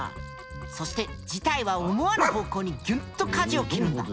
そして事態は思わぬ方向にギュンと舵を切るんだ。